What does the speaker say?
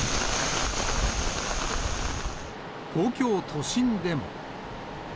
東京都心でも。